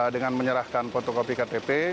dengan menyerahkan fotokopi ktp